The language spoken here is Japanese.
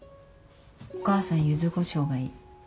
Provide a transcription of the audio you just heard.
お母さんゆずこしょうがいい。